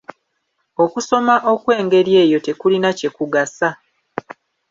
Okusoma okw'engeri eyo tekulina kye kugasa.